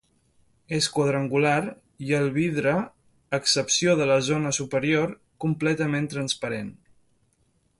És quadrangular i el vidre, a excepció del de la zona superior, completament transparent.